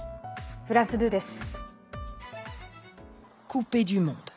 フランス２です。